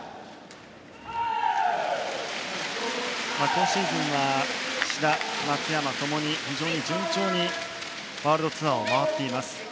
今シーズンは志田、松山ともに非常に順調にワールドツアーを回っています。